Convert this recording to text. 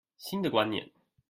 新的觀念